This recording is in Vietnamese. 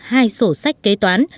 hai sổ sách kế toán